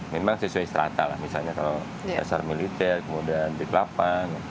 memang sesuai serata lah misalnya kalau dasar militer kemudian di kelapa